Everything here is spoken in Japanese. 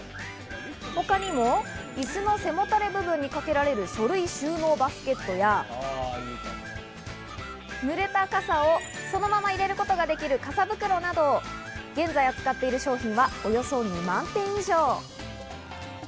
他にも、イスの背もたれ部分にかけられる書類収納バスケットや、濡れた傘をそのまま入れることができる傘袋など、現在扱っている商品はおよそ２万点以上。